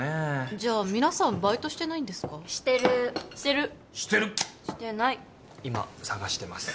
じゃあ皆さんバイトしてないんですかしてるしてるしてるしてない今探してます